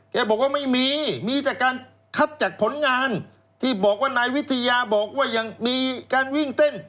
แกบอกว่าไม่มีมีแต่การคัดจากผลงานที่บอกว่านายวิทยาบอกว่ายังมีการวิ่งเต้น